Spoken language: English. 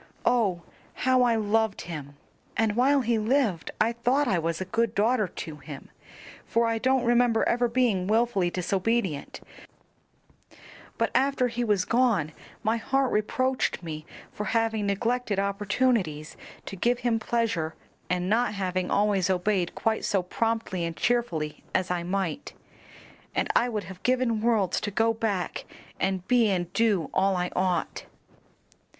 Oh, how I loved him! and while he lived I thought I was a good daughter to him, for I don't remember ever being wilfully disobedient, but after he was gone my heart reproached me with having neglected opportunities to give him pleasure, and not having always obeyed quite so promptly and cheerfully as I might, and I would have given worlds to go back and be and do all I ought."